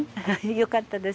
よかったです。